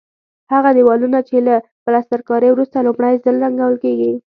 هغه دېوالونه چې له پلسترکارۍ وروسته لومړی ځل رنګول کېږي.